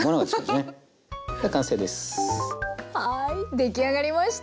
出来上がりました。